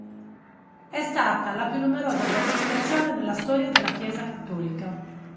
È stata la più numerosa beatificazione nella storia della Chiesa cattolica.